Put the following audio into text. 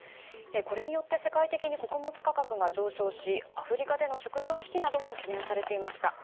これによって世界的に穀物価格が上昇しアフリカでの食糧危機なども懸念されていました。